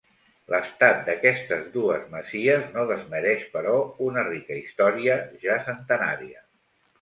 L'estat d'aquestes dues masies no desmereix però una rica història, ja centenària.